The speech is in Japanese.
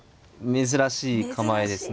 珍しい構えですね。